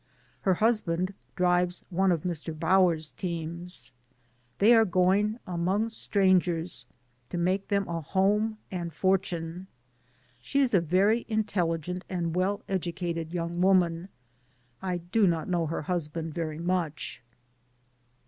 Her husband drives one of Mr. Bower's teams. They are going among strangers, to make them a home and fortune. She is a very inteUigent and well educated young woman. I do not know her husband very much.